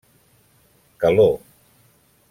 Calor.